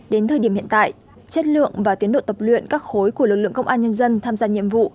đến thời điểm hiện tại chất lượng và tiến độ tập luyện các khối của lực lượng công an nhân dân tham gia nhiệm vụ